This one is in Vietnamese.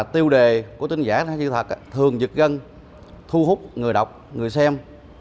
tiêu đề của tin giả tin sai sự thật thường dựt gân thu hút người đọc người xem